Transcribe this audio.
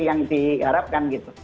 yang diharapkan gitu